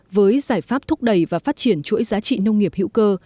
với giải pháp thúc đẩy và phát triển chuỗi giá trị nông nghiệp hữu cơ